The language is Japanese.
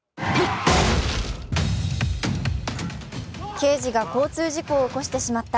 刑事が交通事故を起こしてしまった。